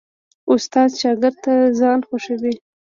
استاد شاګرد ته ځان خوښوي.